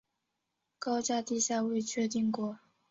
高架地下未确定过。